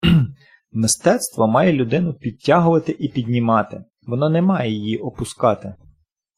Мистецтво має людину підтягувати і піднімати, воно не має ії опускати